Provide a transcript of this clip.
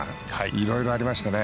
いろいろありましたね。